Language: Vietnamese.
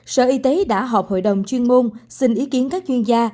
sở y tế đã họp hội đồng chuyên môn xin ý kiến các chuyên gia